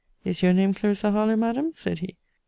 Is your name Clarissa Harlowe, Madam? said he.